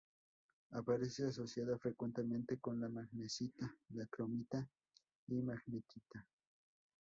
Aparece asociada frecuentemente con la magnesita, la cromita y magnetita.